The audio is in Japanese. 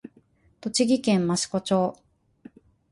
栃木県益子町